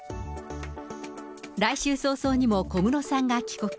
来週早々にも小室さんが帰国。